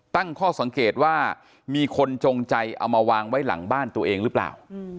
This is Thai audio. ตั้งข้อสังเกตว่ามีคนจงใจเอามาวางไว้หลังบ้านตัวเองหรือเปล่า